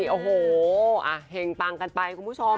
๔โอ้โหอ่าเฮ่งปังกันไปคุณผู้ชม